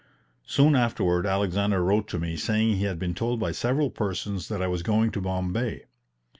Soon afterward Alexander wrote to me saying he had been told by several persons that I was going to Bombay.